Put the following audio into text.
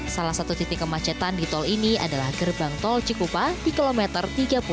salah satu titik kemacetan di tol ini adalah gerbang tol cikupa di kilometer tiga puluh